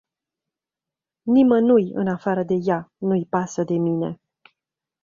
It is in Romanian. Nimănui, în afară de ea, nu-i pasă de mine.